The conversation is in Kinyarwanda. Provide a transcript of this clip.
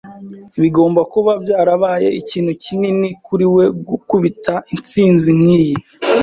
Bigomba kuba byarabaye ikintu kinini kuri we gukubita intsinzi nkiyi.